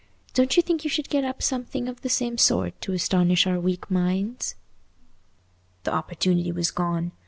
Don't you think you should get up something of the same sort to astonish our weak minds?" The opportunity was gone.